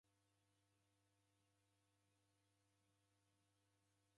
W'echumbana imbiri ya w'andu.